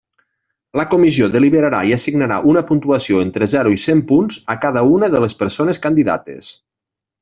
La comissió deliberarà i assignarà una puntuació entre zero i cent punts a cada una de les persones candidates.